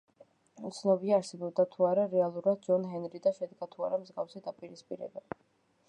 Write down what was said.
უცნობია, არსებობდა თუ არა რეალურად ჯონ ჰენრი და შედგა თუ არა მსგავსი დაპირისპირება.